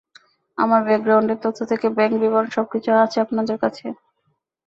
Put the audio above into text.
আমার ব্যাকগ্রাউন্ডের তথ্য থেকে ব্যাংক বিবরণ সবকিছু আছে আপনাদের কাছে।